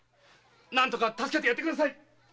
何とか助けてやってください！